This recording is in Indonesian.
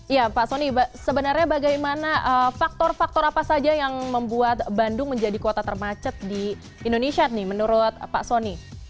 ya pak soni sebenarnya bagaimana faktor faktor apa saja yang membuat bandung menjadi kota termacet di indonesia nih menurut pak soni